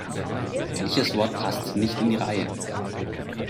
Welches Wort passt nicht in die Reihe?